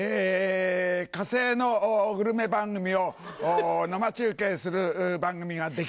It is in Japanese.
火星のグルメ番組を生中継する番組ができる。